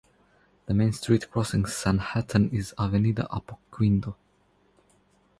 The main street crossing Sanhattan is Avenida Apoquindo.